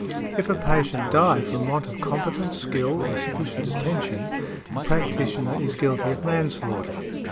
If a patient die from want of competent skill or sufficient attention the practitioner is guilty of manslaughter .